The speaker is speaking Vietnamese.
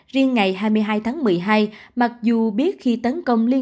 riêng ngày hai mươi hai tháng một mươi hai mặc dù biết khi tấn công liên